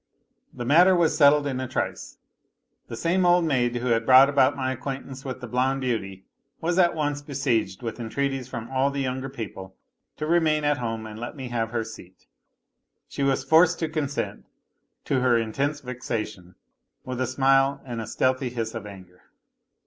The matter was settled in a trice. The same old maid who had brought about my acquaintance with the blonde beauty was at once besieged with entreaties from all the younger people to remain at home and let me have her seat. She was forced to consent, to her intense vexation, with a smile and a stealthy hiss of anger.